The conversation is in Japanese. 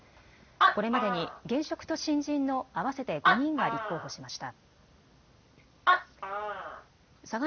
これまでに現職と新人の合わせて５人が立候補しました。